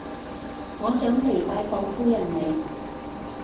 我想嚟拜訪夫人你